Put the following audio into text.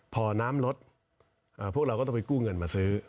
พอน้ำลดพวกเราก็ต้องไปกู้เงินมาซื้อ